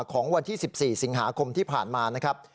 ของวันที่๑๔สิงหาคมที่ผ่านมานะครับ